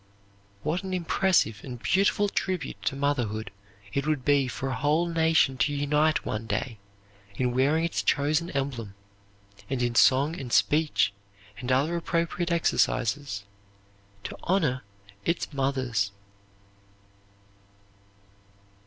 What an impressive and beautiful tribute to motherhood it would be for a whole nation to unite one day in wearing its chosen emblem, and in song and speech, and other appropriate exercises, to honor its mothers!